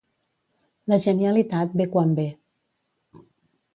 La genialitat ve quan ve